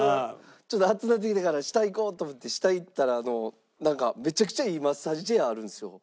ちょっと暑ぅなってきたから下行こうと思って下行ったらなんかめちゃくちゃいいマッサージチェアあるんですよ。